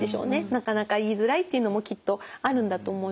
なかなか言いづらいっていうのもきっとあるんだと思います。